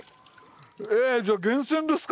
えじゃあ源泉ですか？